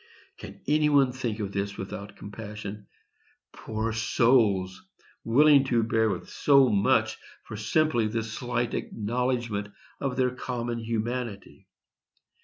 Can any one think of this without compassion? Poor souls! willing to bear with so much for simply this slight acknowledgment of their common humanity.